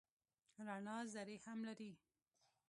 رڼا ذرې هم لري.